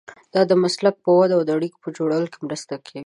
دا د مسلک په وده او د اړیکو په جوړولو کې مرسته کوي.